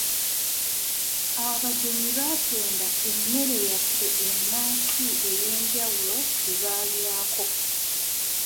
Abagenyi baatenda emmere yaffe enansi ey'enjawulo gye baalyako.